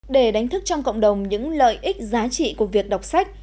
để đánh thức trong cộng đồng những lợi ích giá trị của việc đọc sách